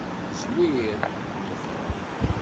Zwir. Ad kem-ḍefreɣ.